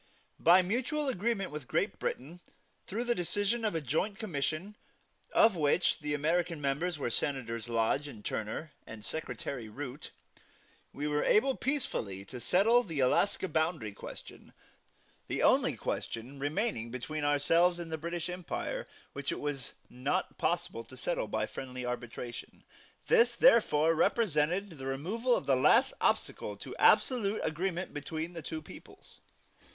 By mutual agreement with Great Britain, through the decision of a joint commission, of which the American members were Senators Lodge and Turner, and Secretary Root, we were able peacefully to settle the Alaska Boundary question, the only question remaining between ourselves and the British Empire which it was not possible to settle by friendly arbitration; this therefore represented the removal of the last obstacle to absolute agreement between the two peoples.